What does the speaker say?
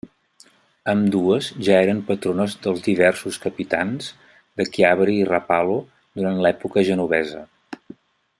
Ambdues ja eren patrones dels diversos capitans de Chiavari i Rapallo durant l'època genovesa.